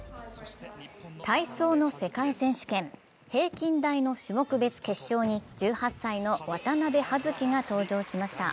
体操の世界選手権、平均台種目別決勝に１８歳の渡部葉月が登場しました。